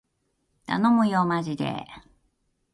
たのむよーまじでー